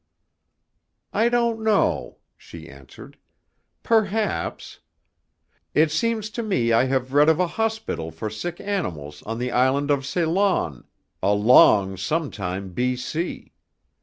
"I don't know," she answered. "Perhaps; it seems to me I have read of a hospital for sick animals on the island of Ceylon a long sometime B. C.